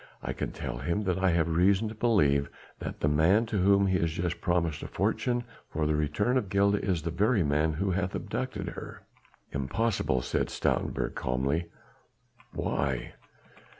I can tell him that I have reason to believe that the man to whom he has just promised a fortune for the return of Gilda is the very man who hath abducted her." "Impossible," said Stoutenburg calmly. "Why?"